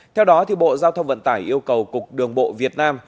theo đó bộ giao thông vận tải yêu cầu cục đường bộ việt nam